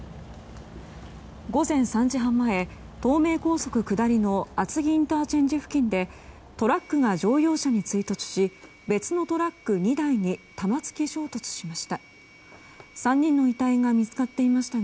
午前３時半前東名高速下りの厚木ＩＣ付近でトラックが乗用車に追突し別のトラック２台に玉突き衝突しました。